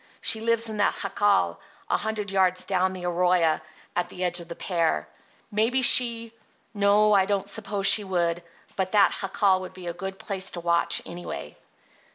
She lives in that jacal a hundred yards down the arroyo at the edge of the pear. Maybe she—no, I don't suppose she would, but that jacal would be a good place to watch, anyway."